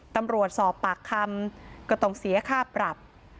ตำรวจสอบปากคำก็ต้องเสียค่าปรับ